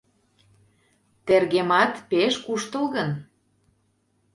— Тергемат... пеш куштылгын.